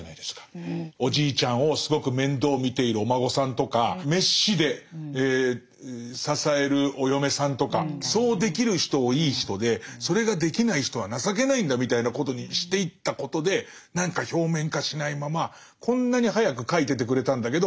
おじいちゃんをすごく面倒見ているお孫さんとか滅私で支えるお嫁さんとかそうできる人をいい人でそれができない人は情けないんだみたいなことにしていったことで何か表面化しないままこんなに早く書いててくれたんだけど。